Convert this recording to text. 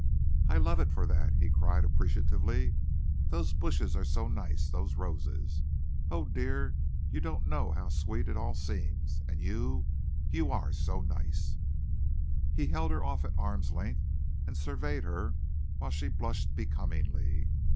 "I love it for that," he cried appreciatively. "Those bushes are so nice those roses. Oh, dear, you don't know how sweet it all seems and you you are so nice." He held her off at arm's length and surveyed her while she blushed becomingly.